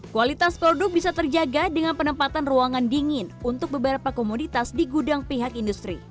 kualitas produk bisa terjaga dengan penempatan ruangan dingin untuk beberapa komoditas di gudang pihak industri